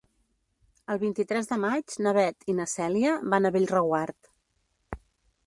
El vint-i-tres de maig na Beth i na Cèlia van a Bellreguard.